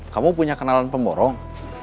kamu punya kenalan pemborong